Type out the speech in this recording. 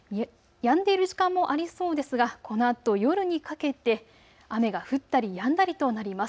やんでいる時間もありそうですがこのあと夜にかけて雨が降ったりやんだりとなります。